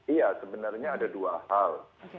iya sebenarnya ada dua hal